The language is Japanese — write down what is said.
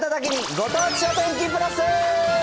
ご当地お天気プラス。